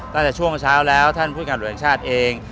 ตั้งแต่ช่วงเช้าแล้วท่านผู้การตรวจแห่งชาติเอง